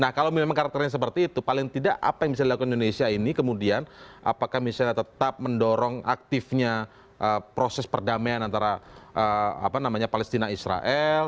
nah kalau memang karakternya seperti itu paling tidak apa yang bisa dilakukan indonesia ini kemudian apakah misalnya tetap mendorong aktifnya proses perdamaian antara palestina israel